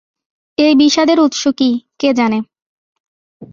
এই বিষাদের উৎস কী, কে জানে!